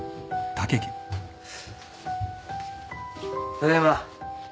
ただいま。